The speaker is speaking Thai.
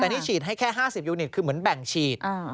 แต่นี่ฉีดให้แค่๕๐ยูนิตคือเหมือนแบ่งฉีด